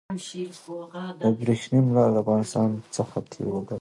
د ابريښم لار د افغانستان څخه تېرېدله.